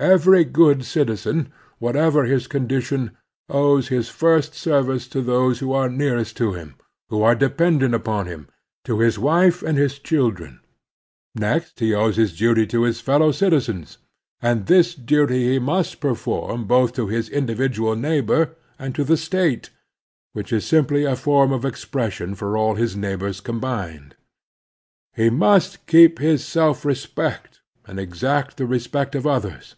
Every good citizen, whatever his condition, owes his first service to those who are nearest to him, who are dependent upon him, to his wife and his children ; next he owes his duty to his fellow citi zens, and this duty he must perform both to his individual neighbor and to the State, which is simply a form of expression for all his neighbors combined. He must keep his self respect and exact the respect of others.